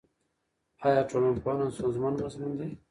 آیا ټولنپوهنه ستونزمن مضمون دی؟